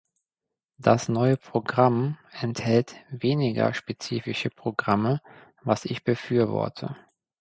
Das neue Programm enthält weniger spezifische Programme, was ich befürworte.